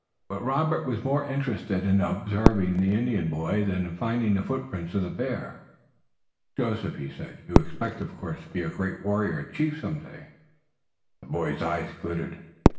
But Robert was more interested in observing the Indian boy than in finding the foot prints of the bear. "Joseph," he said, "you expect, of course, to be a great warrior and chief some day." The boy's eyes glittered.